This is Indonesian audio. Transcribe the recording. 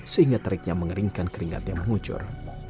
sehingga teriknya mengeringkan keringatnya mengucur